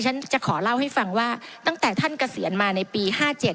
ฉันจะขอเล่าให้ฟังว่าตั้งแต่ท่านเกษียณมาในปี๕๗